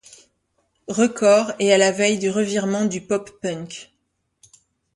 Records et à la veille du revirement du pop-punk.